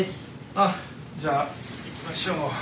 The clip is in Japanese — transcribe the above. あっじゃあ行きましょう。